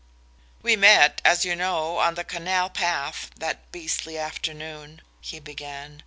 "We met, as you know, on the canal path that beastly afternoon," he began.